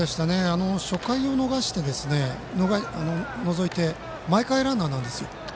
初回を除いて毎回ランナーなんですよ。